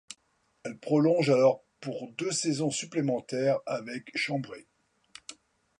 Elle prolonge alors pour deux saisons supplémentaires avec Chambray.